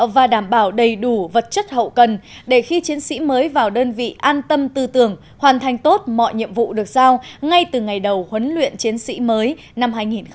và đảm bảo đầy đủ vật chất hậu cần để khi chiến sĩ mới vào đơn vị an tâm tư tưởng hoàn thành tốt mọi nhiệm vụ được giao ngay từ ngày đầu huấn luyện chiến sĩ mới năm hai nghìn một mươi tám